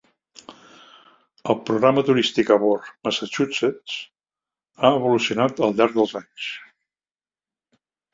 El programa turístic a bord "Massachusetts" ha evolucionat al llarg dels anys.